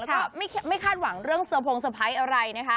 แล้วก็ไม่คาดหวังเรื่องสะพงสเตอร์ไพรส์อะไร